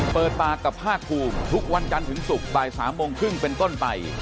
เปิดปากกับภาคภูมิทุกวันจันทร์ถึงศุกร์บ่าย๓โมงครึ่งเป็นต้นไป